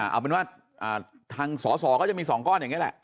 เอาเป็นว่าทางสอสอก็จะมี๒ก้อนอย่างนี้แหละ